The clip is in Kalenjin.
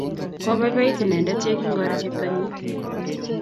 Kopaipait inendet yekingoro cheptonyi